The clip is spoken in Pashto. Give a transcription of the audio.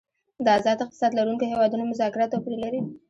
د آزاد اقتصاد لرونکو هیوادونو مذاکرات توپیر لري